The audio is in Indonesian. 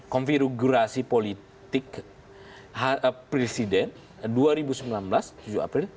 konfigurasi politik presiden dua ribu sembilan belas tujuh april